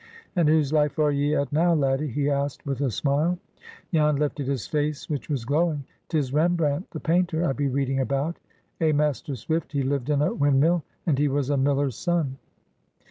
"And whose life are ye at now, laddie?" he asked, with a smile. Jan lifted his face, which was glowing. "'Tis Rembrandt the painter I be reading about. Eh, Master Swift, he lived in a windmill, and he was a miller's son!"